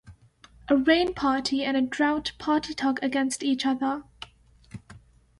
A rain party and a drought party tug against each other.